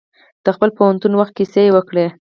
د خپل پوهنتون وخت کیسې یې وکړې.